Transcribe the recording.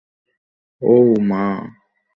অহ, মা।